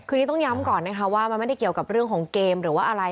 คือนี้ต้องย้ำก่อนนะคะว่ามันไม่ได้เกี่ยวกับเรื่องของเกมหรือว่าอะไร